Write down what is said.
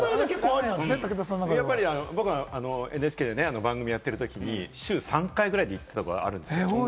僕はＮＨＫで番組やってるときに週３回くらい行ってたことあるんですよ。